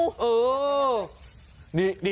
อื้อ